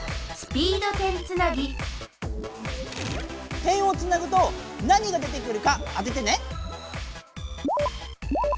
点をつなぐと何が出てくるか当ててね！